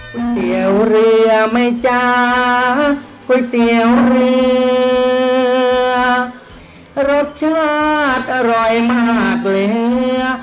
ก๋วยเตี๋ยวเรือไหมจ๊ะก๋วยเตี๋ยวเรือรสชาติอร่อยมากเลย